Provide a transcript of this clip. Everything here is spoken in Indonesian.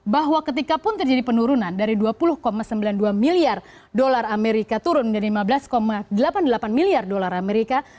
bahwa ketika pun terjadi penurunan dari dua puluh sembilan puluh dua miliar dolar amerika turun dari lima belas delapan puluh delapan miliar dolar amerika